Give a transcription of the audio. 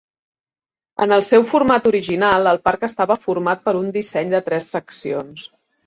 En el seu format original, el parc estava format per un disseny de tres seccions.